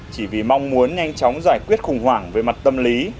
chỉ vì mong muốn nhanh chóng giải quyết khủng hoảng về mặt tâm lý